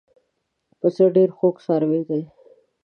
پسه ډېر خوږ څاروی دی.